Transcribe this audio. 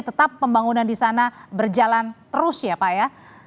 tetap pembangunan di sana berjalan terus ya pak ya